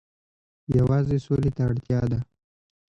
یوازې سولې ته اړتیا ده.